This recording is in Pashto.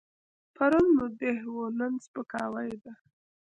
پرون مدح وه، نن سپکاوی دی.